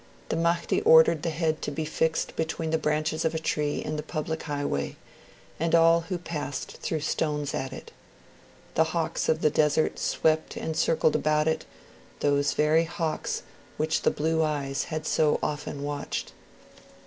The Mahdi ordered the head to be fixed between the branches of a tree in the public highway, and all who passed threw stones at it. The hawks of the desert swept and circled about it those very hawks which the blue eyes had so often watched.